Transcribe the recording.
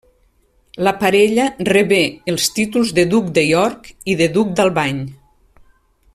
La parella rebé els títols de duc de York i de duc d'Albany.